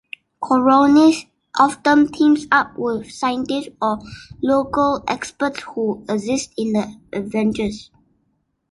Kourounis often teams up with scientists or local experts who assist in the adventures.